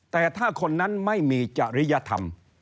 แต่ถ้าคนนั้นไม่มีจริยธรรม